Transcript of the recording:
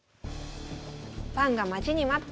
ファンが待ちに待った振り